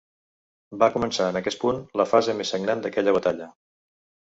Va començar en aquest punt la fase més sagnant d'aquella batalla.